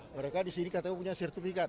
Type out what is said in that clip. mereka disini katanya punya sertifikat